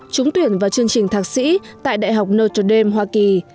chúng tuyển vào chương trình thạc sĩ tại đại học notre dame hoa kỳ